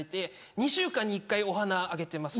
２週間に１回お花あげてます。